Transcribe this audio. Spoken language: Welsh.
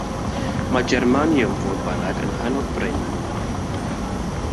Mae germaniwm, fodd bynnag yn hynod brin.